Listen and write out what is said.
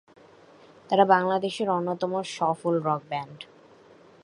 তারা বাংলাদেশের অন্যতম সফল রক ব্যান্ড।